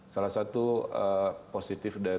salah satu positif dari